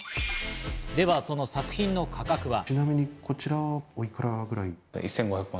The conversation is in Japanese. ではその作品の価格は。